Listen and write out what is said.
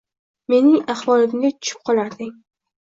Mening ahvolimga tushib qolarding.